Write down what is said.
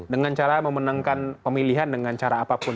dengan cara memenangkan pemilihan dengan cara apapun